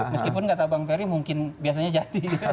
meskipun kata bang ferry mungkin biasanya jadi